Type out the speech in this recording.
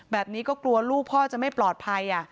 แบบนี้ก็กลัวลูกพ่อจะไม่ปลอดภัย